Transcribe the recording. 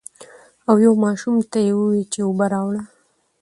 او يو ماشوم ته يې ووې چې اوبۀ راوړه ـ